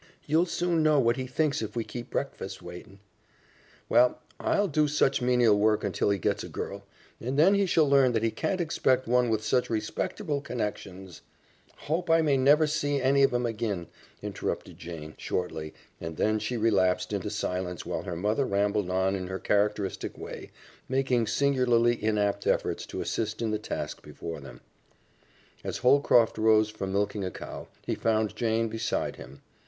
You'll soon know what he thinks if we keep breakfast waitin'." "Well, I'll do such menial work until he gets a girl, and then he shall learn that he can't expect one with such respecterble connections " "Hope I may never see any of 'em agin," interrupted Jane shortly, and then she relapsed into silence while her mother rambled on in her characteristic way, making singularly inapt efforts to assist in the task before them. As Holcroft rose from milking a cow he found Jane beside him.